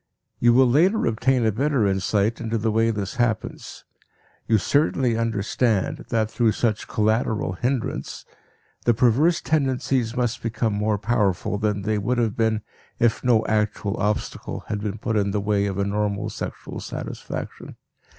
You will later obtain a better insight into the way this happens. You certainly understand, that through such "collateral" hindrance, the perverse tendencies must become more powerful than they would have been if no actual obstacle had been put in the way of a normal sexual satisfaction.